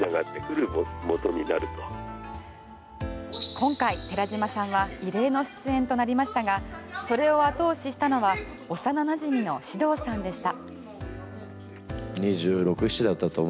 今回、寺島さんは異例の出演となりましたがそれを後押ししたのは幼なじみの獅童さんでした。